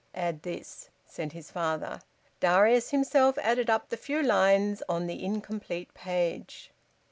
"Add this," said his father. Darius himself added up the few lines on the incomplete page.